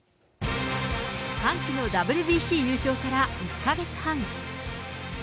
歓喜のＷＢＣ優勝から１か月半。